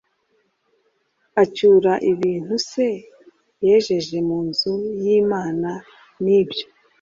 Acyura ibintu se yejeje mu nzu y Imana n ibyo